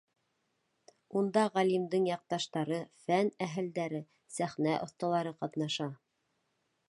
Унда ғалимдың яҡташтары, фән әһелдәре, сәхнә оҫталары ҡатнаша.